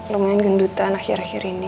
lumayan gendutan akhir akhir ini